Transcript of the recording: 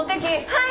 はい！